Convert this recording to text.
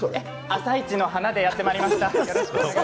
「あさイチ」の花でやってまいりました。